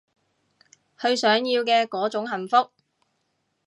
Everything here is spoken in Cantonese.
佢想要嘅嗰種幸福